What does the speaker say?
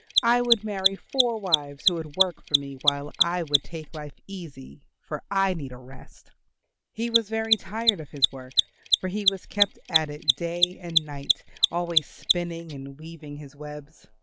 I would marry four wives who would work for me while I would take life easy, for I need a rest." He was very tired of his work for he was kept at it day and night always spinning and weaving his webs.